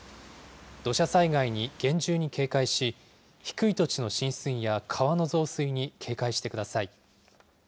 土砂災害に厳重に警戒し、低い土地の浸水や川の増水に警戒してください。